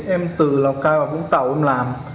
em từ lào cai vào vũng tàu em làm